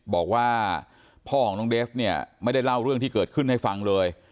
บอกว่าพ่อของน้องเดฟเนี่ยไม่ได้เล่าเรื่องที่เกิดขึ้นให้ฟังเลย